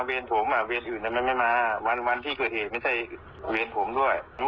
เป็นแม่ของเขาค่ะ